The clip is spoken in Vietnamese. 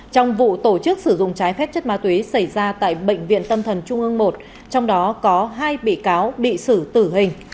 trong vụ tổ chức sử dụng trái phép chất ma túy xảy ra tại bệnh viện tâm thần trung ương một trong đó có hai bị cáo bị xử tử hình